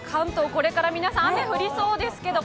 これから雨降りそうですけど